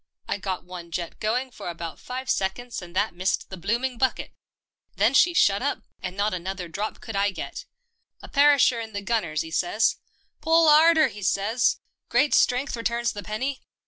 I got one jet going for about five seconds and that missed the blooming bucket. Then she shut up, and not another drop could I get. A perisher in the gunners, 'e says, ' Pull 'arder,' 'e says, ' Great strength returns the penny.'